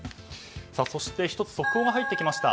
そして１つ速報が入ってきました。